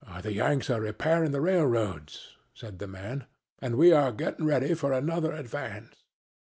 "The Yanks are repairing the railroads," said the man, "and are getting ready for another advance.